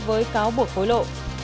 với cáo buộc khối lộ